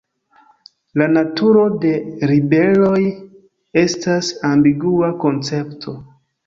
La naturo de ribeloj estas ambigua koncepto.